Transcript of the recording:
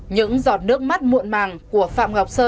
những giọt nước mắt muộn màng của phạm ngọc sơn